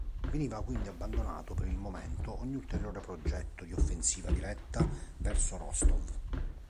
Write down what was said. Veniva quindi abbandonato per il momento ogni ulteriore progetto di offensiva diretta verso Rostov.